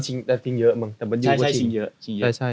ได้รางวัลเองก็ลึกมาย